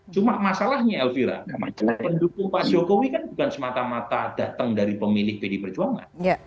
cuma masalahnya elvira namanya pendukung pak jokowi kan bukan semata mata datang dari pemilih pdi perjuangan